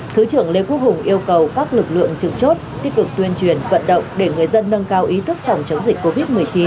thứ trưởng lê quốc hùng yêu cầu các lực lượng trực chốt tích cực tuyên truyền vận động để người dân nâng cao ý thức phòng chống dịch covid một mươi chín